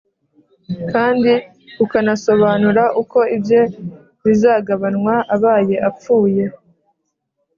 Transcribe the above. kandi kukanasobanura uko ibye bizagabanwa abaye apfuye